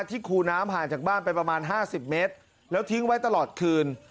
คูน้ำห่างจากบ้านไปประมาณ๕๐เมตรแล้วทิ้งไว้ตลอดคืน